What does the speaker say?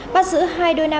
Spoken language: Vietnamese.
bắt giữ hai đôi nam nữ